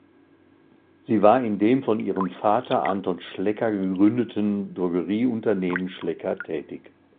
Sie war in dem von ihrem Vater Anton Schlecker gegründeten Drogerie-Unternehmen Schlecker tätig.